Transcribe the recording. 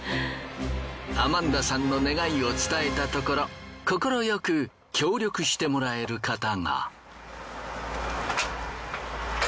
アマンダさんの願いを伝えたところ快く協力してもらえる方が。